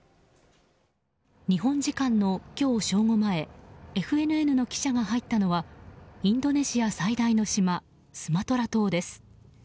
日本時間の今日正午前ＦＮＮの記者が入ったのはインドネシア最大の島スマトラ島です。